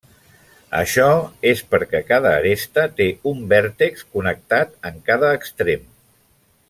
Això és perquè cada aresta té un vèrtex connectat en cada extrem.